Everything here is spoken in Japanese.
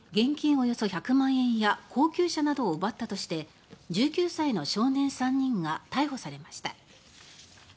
およそ１００万円や高級車を奪ったとして１９歳の少年３人が逮捕されました。